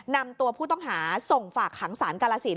นำตัวผู้ต้องหาส่งฝากขังสารกาลสิน